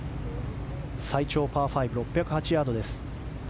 最長パー５６０８ヤードです。